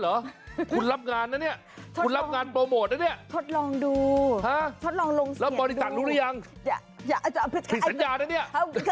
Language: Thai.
รู้หรือยังผิดสัญญาณอ่ะเนี่ย